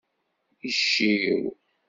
Icciw.